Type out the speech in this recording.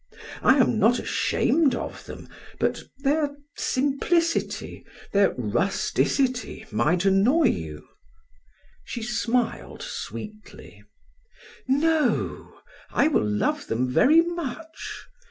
I am not ashamed of them, but their simplicity their rusticity might annoy you." She smiled sweetly. "No, I will love them very much.